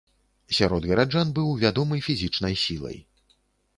Сярод гараджан быў вядомы фізічнай сілай.